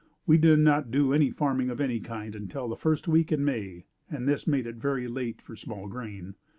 We did not do any farming of any kind until the first week in May and this made it very late for small grain.